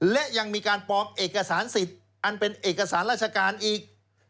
และยังมีการปลอมเอกสารสิทธิ์อันเป็นเอกสารราชการอีก